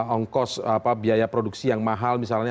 ongkos biaya produksi yang mahal misalnya